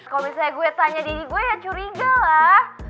kalau misalnya gue tanya diri gue ya curiga lah